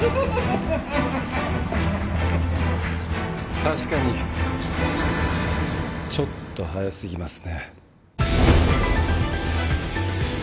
確かにちょっと早すぎますね。